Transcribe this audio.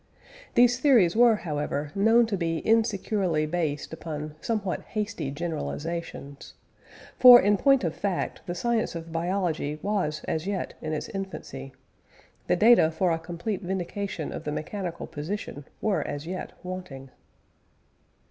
These theories were, however, known to be insecurely based upon somewhat hasty generalisations, for, in point of fact, the science of biology was as yet in its infancy; the data for a complete vindication of the mechanical position were as yet wanting.